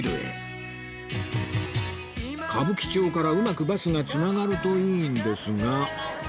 歌舞伎町からうまくバスがつながるといいんですが